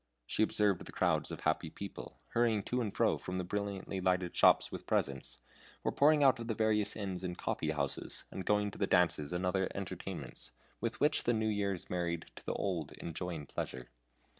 She observed the crowds of happy people, hurrying to and fro from the brilliantly lighted shops with presents, or pouring out of the various inns and coffee houses, and going to the dances and other entertainments with which the New Year is married to the Old in joy and pleasure.